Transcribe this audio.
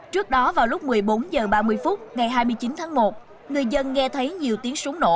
trước đó vào lúc một mươi bốn h ba mươi phút ngày hai mươi chín tháng một người dân nghe thấy nhiều tiếng súng nổ